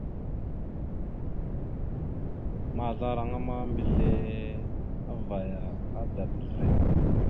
Maazlaraŋa ma, mbelle avvaya, adaɗ rrem.